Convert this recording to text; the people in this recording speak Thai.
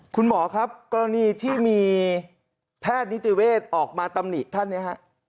คุณหมอครับกรณีที่มีแพทย์นิติเวศออกมาตำหนิท่านเนี่ยฮะ